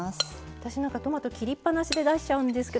私なんかトマト切りっぱなしで出しちゃうんですけど